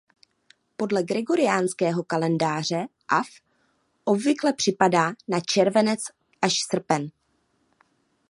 Podle gregoriánského kalendáře av obvykle připadá na červenec–srpen.